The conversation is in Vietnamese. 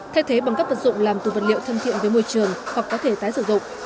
thay thế bằng các vật dụng làm từ vật liệu thân thiện với môi trường hoặc có thể tái sử dụng